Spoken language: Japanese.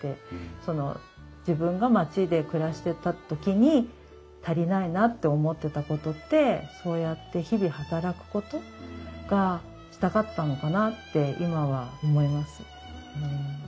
その自分が街で暮らしてた時に足りないなと思ってたことってそうやって日々働くことがしたかったのかなって今は思います。